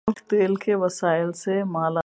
ملک تیل کے وسائل سے مالا مال ہے